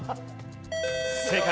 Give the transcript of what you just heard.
正解。